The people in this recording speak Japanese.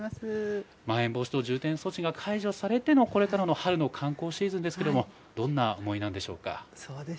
まん延防止等重点措置が解除されての、これからの春の観光シーズンですけれども、どんな思いなんでしょうか。